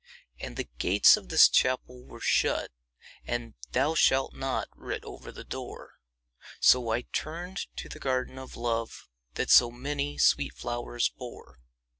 And the gates of this Chapel were shut, And 'Thou shalt not' writ over the door; So I turned to the Garden of Love That so many sweet flowers bore.